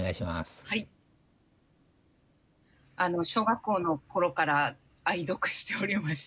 小学校の頃から愛読しておりました。